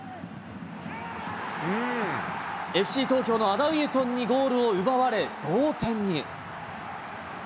ＦＣ東京のアダイウトンにゴールを奪われ、同点に。